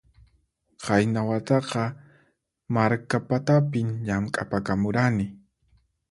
Qayna wataqa Markapatapin llamk'apakamurani